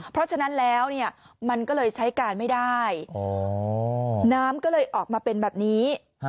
เพราะฉะนั้นแล้วมันก็เลยใช้การไม่ได้น้ำก็เลยออกมาเป็นแบบนี้